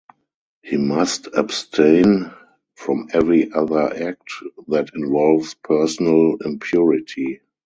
He must abstain from every other act that involves personal impurity.